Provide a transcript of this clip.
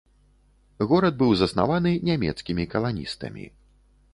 Горад быў заснаваны нямецкімі каланістамі.